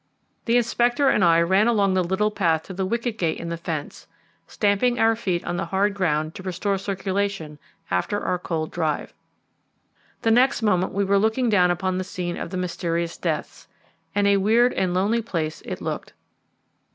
The Inspector and I ran along the little path to the wicket gate in the fence, stamping our feet on the hard ground to restore circulation after our cold drive. The next moment we were looking down upon the scene of the mysterious deaths, and a weird and lonely place it looked.